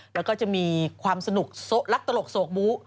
แล้วก็จะมีความสนุกรักตลกโศกบู